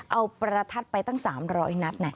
เอาประทัดไปตั้ง๓๐๐นัด